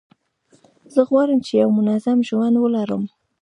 زه غواړم چي یو منظم ژوند ولرم.